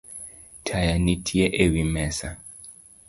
Taya nitie ewi mesa